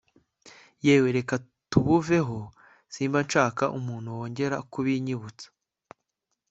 yewe reka tubuveho simba nshaka umuntu wongera kubinyibutsa